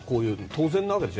当然なわけでしょ。